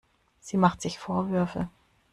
Sie macht sich Vorwürfe.